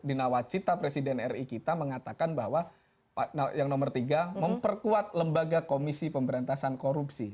di nawacita presiden ri kita mengatakan bahwa yang nomor tiga memperkuat lembaga komisi pemberantasan korupsi